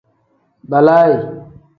Balaayi.